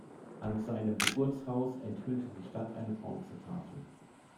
An seinem Geburtshaus enthüllte die Stadt eine Bronzetafel.